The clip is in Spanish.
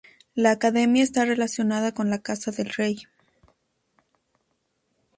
La Academia está relacionada con la Casa del Rey.